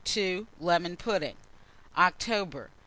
2, Lemon pudding. OCTOBER.